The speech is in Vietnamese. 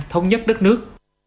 thống nhất đất nước